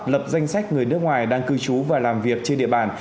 lập danh sách người nước ngoài đang cư trú và làm việc trên địa bàn